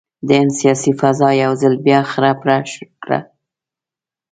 د هند سیاسي فضا یو ځل بیا خړه پړه کړه.